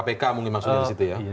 bagaimana kamu memaksudnya disitu ya